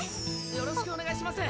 よろしくお願いします！